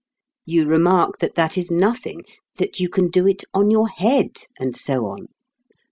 You remark that that is nothing, that you can do it "on your head," and so on.